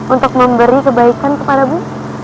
untuk memberi kebaikan kepada bu